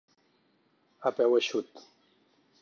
A peu eixut.